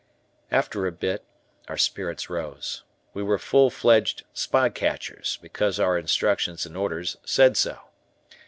After a bit our spirits rose. We were full fledged spy catchers, because our instructions and orders said so.